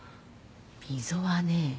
溝はね